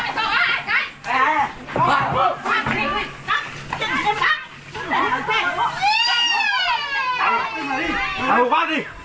ข้าวลูกบ้านดิ